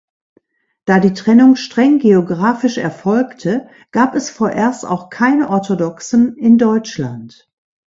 Da die Trennung streng geografisch erfolgte, gab es vorerst auch keine Orthodoxen in Deutschland.